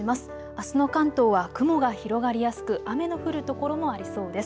あすの関東は雲が広がりやすく雨の降る所もありそうです。